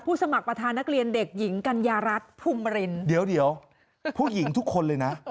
สมัครประธานนักเรียนเด็กหญิงกัญญารัฐภูมิบรินเดี๋ยวเดี๋ยวผู้หญิงทุกคนเลยนะ